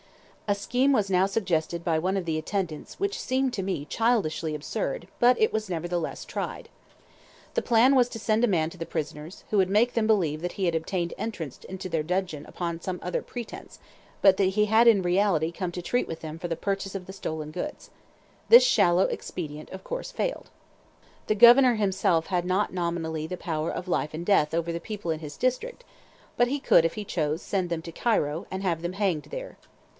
A scheme was now suggested by one of the attendants which seemed to me childishly absurd, but it was nevertheless tried. The plan was to send a man to the prisoners, who was to make them believe that he had obtained entrance into their dungeon upon some other pretence, but that he had in reality come to treat with them for the purchase of the stolen goods. This shallow expedient of course failed. The Governor himself had not nominally the power of life and death over the people in his district, but he could if he chose send them to Cairo, and have them hanged there.